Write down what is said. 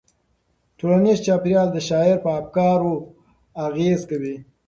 ټولنیز چاپیریال د شاعر په افکارو اغېز کوي.